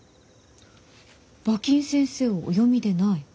馬琴先生をお読みでない？